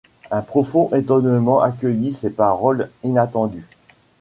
Un profond étonnement accueillit ces paroles inattendues.